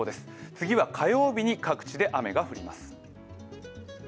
次は火曜日に各地で雨が降ります。